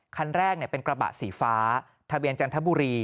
คันแรกเป็นกระบะสีฟ้าทะเบียนจันทบุรี